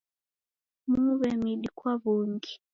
Muwe midi kwa w'ungi.